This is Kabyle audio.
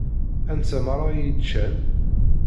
Anta meṛṛa i yeččan?